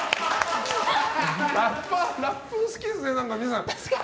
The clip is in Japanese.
ラップお好きですね、皆さん。